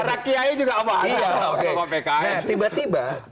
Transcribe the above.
para kiai juga apaan